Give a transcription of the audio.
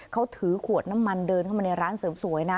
เขาถือขวดน้ำมันเดินเข้ามาในร้านเสริมสวยนะ